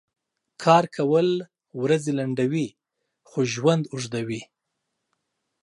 کار کؤل ؤرځې لنډؤي خو ژؤند اوږدؤي .